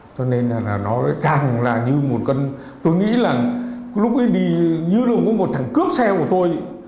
cho nên là nó càng là như một cân tôi nghĩ là lúc ấy đi như lúc có một thằng cướp xe của tôi